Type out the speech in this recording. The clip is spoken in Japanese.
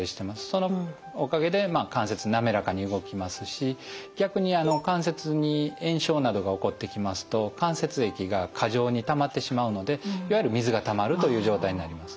そのおかげで関節滑らかに動きますし逆に関節に炎症などが起こってきますと関節液が過剰にたまってしまうのでいわゆる水がたまるという状態になります。